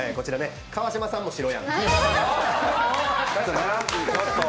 川島さんも白やん。